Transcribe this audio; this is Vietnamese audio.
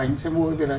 anh sẽ mua cái việc đấy